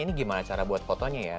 ini gimana cara buat fotonya ya